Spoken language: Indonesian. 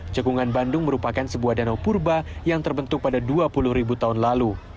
cekungan bandung merupakan sebuah danau purba yang terbentuk pada dua puluh ribu tahun lalu